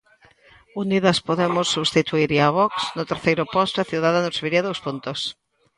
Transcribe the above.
Unidas Podemos substituiría a Vox no terceiro posto e Ciudadanos subiría dous puntos.